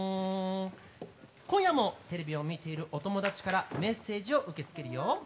今夜もテレビを見ているお友達からメッセージを受け付けるよ！